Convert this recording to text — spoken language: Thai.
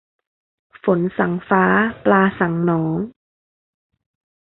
ฝนสั่งฟ้า ปลาสั่งหนอง